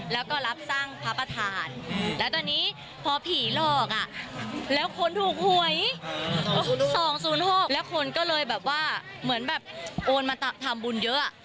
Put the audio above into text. แล้วคนถูกหวย๒๐๖แล้วคนก็เลยแบบว่าโอนมาทำบุญเยอะ